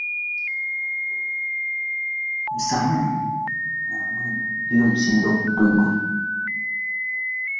ether ina umati wa mawimbi kwa wakati mmoja